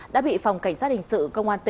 đã bị phòng cảnh sát